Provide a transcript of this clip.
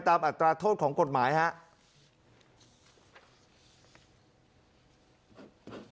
อัตราโทษของกฎหมายครับ